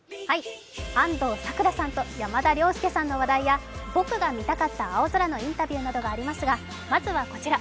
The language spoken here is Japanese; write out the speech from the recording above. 安藤サクラさんと山田涼介さんの話題や僕が見たかった青空のインタビューなどがありますが、まずはこちら。